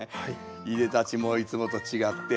いでたちもいつもと違って。